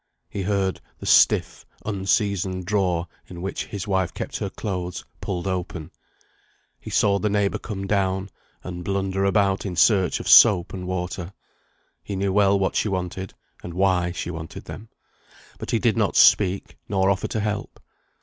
He heard the stiff, unseasoned drawer, in which his wife kept her clothes, pulled open. He saw the neighbour come down, and blunder about in search of soap and water. He knew well what she wanted, and why she wanted them, but he did not speak, nor offer to help.